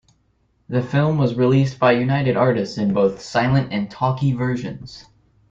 The film was released by United Artists in both silent and talkie versions.